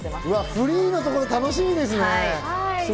フリーのところ楽しみですね。